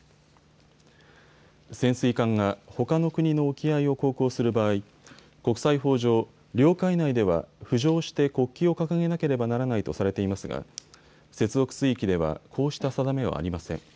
潜水艦が、ほかの国の沖合を航行する場合、国際法上、領海内では浮上して国旗を掲げなければならないとされていますが接続水域ではこうした定めはありません。